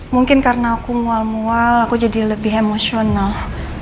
mungkin karena aku mual mual aku jadi lebih emosional